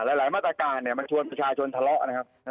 หลายมาตรการมันชวนประชาชนทะเลาะนะครับ